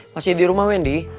masih di rumah wendy